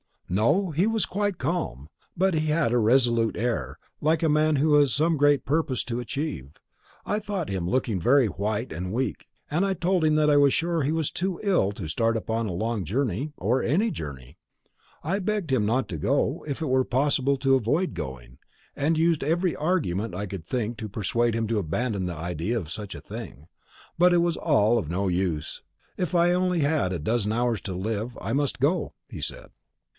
"No; he was quite calm; but he had a resolute air, like a man who has some great purpose to achieve. I thought him looking very white and weak, and told him that I was sure he was too ill to start upon a long journey, or any journey. I begged him not to go, if it were possible to avoid going, and used every argument I could think of to persuade him to abandon the idea of such a thing. But it was all no use. 'If I had only a dozen hours to live, I must go,' he said."